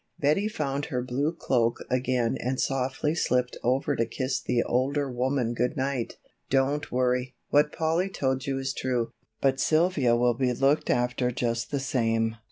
Betty found her blue cloak again and softly slipped over to kiss the older woman good night. "Don't worry, what Polly told you is true, but Sylvia shall be looked after just the same."